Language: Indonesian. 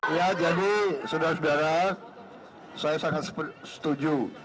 ya jadi saudara saudara saya sangat setuju